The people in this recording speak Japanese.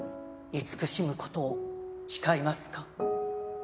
慈しむ事を誓いますか？